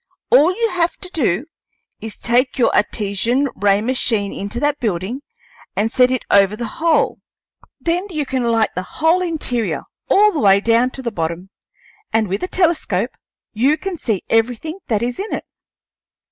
All you have to do is to take your Artesian, ray machine into that building and set it over the hole; then you can light the whole interior, all the way down to the bottom, and with a telescope you can see everything that is in it."